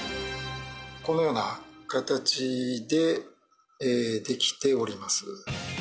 このような形でできております